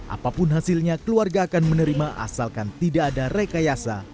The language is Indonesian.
apapun hasilnya keluarga akan menerima asalkan tidak ada rekayasa